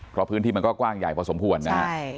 เพราะพื้นที่มันก็กว้างใหญ่พอสมควรนะฮะ